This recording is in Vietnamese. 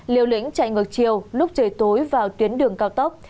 liều lĩnh chạy ngược chiều lúc trời tối vào tuyến đường cao tốc